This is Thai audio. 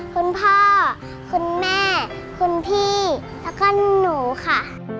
คุณพ่อคุณแม่คุณพี่แล้วก็หนูค่ะ